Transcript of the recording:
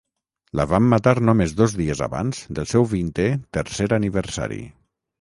La van matar només dos dies abans del seu vintè tercer aniversari.